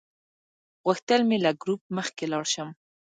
غوښتل مې له ګروپ مخکې لاړ شم.